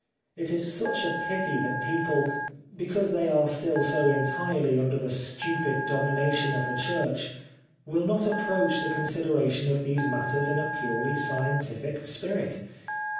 It is such a pity that people, because they are still so entirely under the stupid domination of the Church, will not approach the consideration of these matters in a purely scientific spirit.